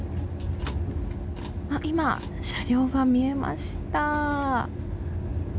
今、車両が見えました。